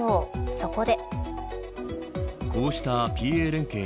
そこで。